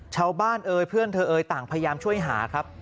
เอ้ยเพื่อนเธอเอ่ยต่างพยายามช่วยหาครับ